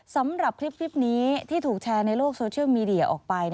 สำหรับคลิปนี้ที่ถูกแชร์ในโลกโซเชียลมีเดียออกไป